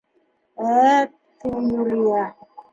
— Ә, — тине Юлия.